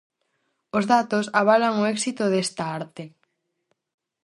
Os datos avalan o éxito desta arte.